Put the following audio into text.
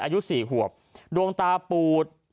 อายุ๔ขวบดวงตาปูด